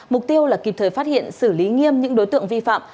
mục tiêu là kịp thời phát hiện xử lý nghiêm những đối tượng vi phạm